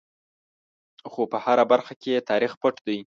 خو په هره برخه کې یې تاریخ پټ دی.